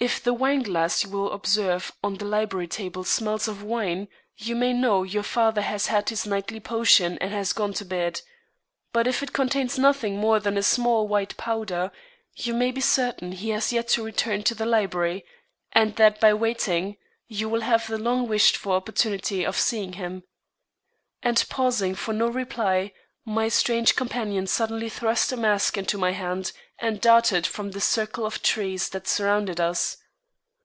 If the wineglass you will observe on the library table smells of wine, you may know your father has had his nightly potion and gone to bed. But if it contains nothing more than a small white powder, you may be certain he has yet to return to the library, and that by waiting, you will have the long wished for opportunity of seeing him." And pausing for no reply, my strange companion suddenly thrust a mask into my hand and darted from the circle of trees that surrounded us.